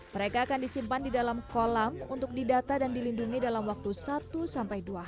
mereka akan disimpan di dalam kolam untuk didata dan dilindungi dalam waktu satu sampai dua hari